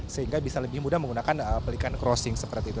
sehingga bisa lebih mudah menggunakan pelikan crossing seperti itu